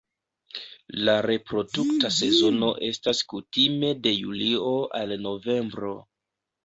La reprodukta sezono estas kutime de julio al novembro.